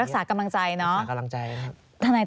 รักษากำลังใจเนอะรักษากำลังใจนะครับรักษากำลังใจ